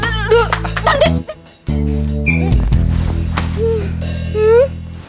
tunggu tunggu tunggu